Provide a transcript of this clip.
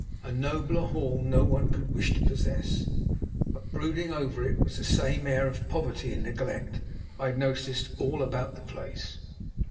A nobler hall no one could wish to possess, but brooding over it was the same air of poverty and neglect I had noticed all about the place.